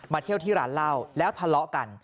เที่ยวที่ร้านเหล้าแล้วทะเลาะกัน